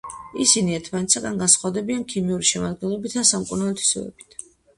ისინი ერთმანეთისგან განსხვავდებიან ქიმიური შემადგენლობითა და სამკურნალო თვისებებით.